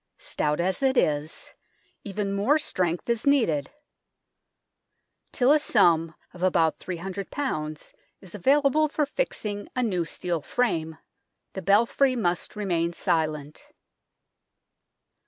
Stout as it is, even more strength is needed. Till a sum of about 300 is available for fixing a new steel frame, the belfry must remain silent.